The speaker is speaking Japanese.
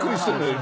今。